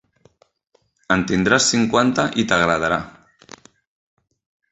En tindràs cinquanta i t'agradarà!